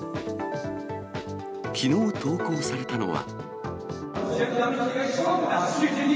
きのう投稿されたのは。